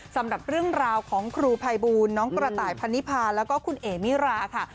สำหรับเรื่องราวของครูภัยบูลน้องกระต่ายพันนิพาแล้วก็คุณเอ๋มิราค่ะ